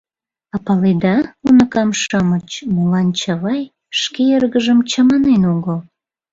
А паледа, уныкам-шамыч, молан Чавай шке эргыжым чаманен огыл?